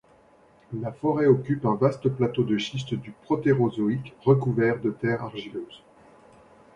La forêt occupe un vaste plateau de schiste du Protérozoïque recouvert de terre argileuse.